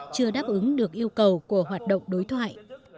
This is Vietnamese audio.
chưa đáp ứng được yêu cầu của hoạt động đối thoại